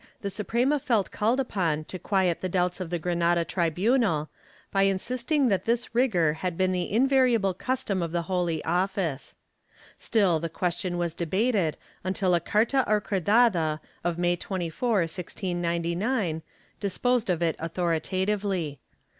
In 1674 the Suprema felt called upon to quiet the doubts of the Granada tribunal, by insisting that this rigor had been the invariable custom of the Holy Office, Still the question was debated until a carta acordada of May 24, 1699, disposed of it authoritatively.